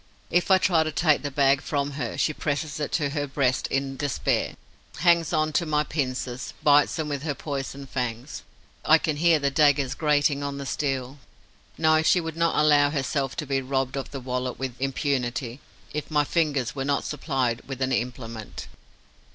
If I try to take the bag from her, she presses it to her breast in despair, hangs on to my pincers, bites them with her poison fangs. I can hear the daggers grating on the steel. No, she would not allow herself to be robbed of the wallet with impunity, if my fingers were not supplied with an implement.